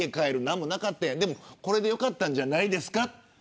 何もなかったけど、これで良かったんじゃないですか。